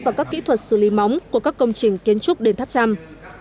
và các kỹ thuật xử lý móng của các công trình kiến trúc đền tháp chăm